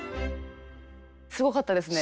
すごかったですね。